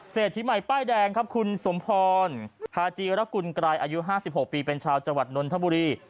เศรษฐีใหม่ป้ายแดงครับคุณสมพรพาจีรกุลกรายอายุ๕๖ปีเป็นชาวจังหวัดนนทบุรี